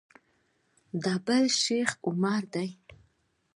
دا بل شیخ عمر دی.